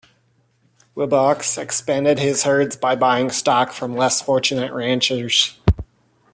Wibaux expanded his herds by buying stock from less fortunate ranchers.